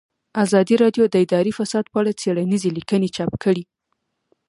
ازادي راډیو د اداري فساد په اړه څېړنیزې لیکنې چاپ کړي.